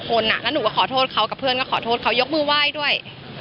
แล้วหนูก็ขอโทษเขากับเพื่อนก็ขอโทษเขายกมือไหว้ด้วย